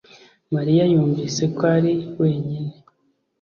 Mariya yumvise ko ari wenyine